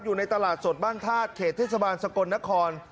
อยู่ในตลาดสดบ้านธาตุเขตเทศบาลสกลนคร